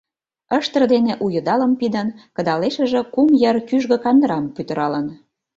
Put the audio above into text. Ыштыр дене у йыдалым пидын; кыдалешыже кум йыр кӱжгӧ кандырам пӱтыралын;